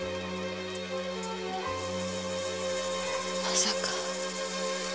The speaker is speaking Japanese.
まさか。